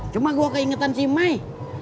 cuma gue keingetan si mai